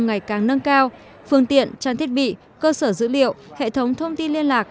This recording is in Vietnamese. ngày càng nâng cao phương tiện trang thiết bị cơ sở dữ liệu hệ thống thông tin liên lạc